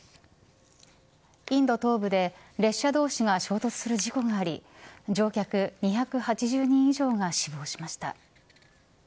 インド東部で列車同士が衝突する事故があり乗客２８０人以上が死亡しました。